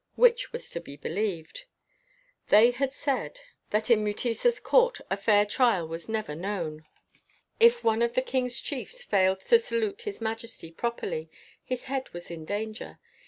Which was to be believed? Thev had said 19 WHITE MAN OF WORK that in Mutesa's court a fair trial was never known. If one of the king's chiefs failed to salute his majesty properly, his head was in danger.